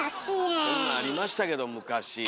そんなんありましたけど昔。